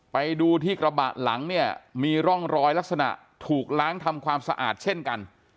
ไปดูที่กระบะหลังเนี่ยมีร่องรอยลักษณะถูกล้างทำความสะอาดเช่นกัน